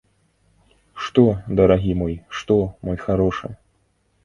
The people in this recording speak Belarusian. Што, дарагі мой, што, мой харошы?